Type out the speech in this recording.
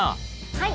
はい。